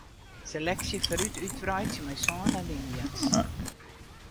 Seleksje foarút útwreidzje mei sân alinea's.